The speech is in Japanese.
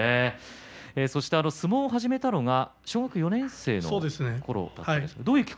相撲を始めたのは小学校４年生のころだったそうですね。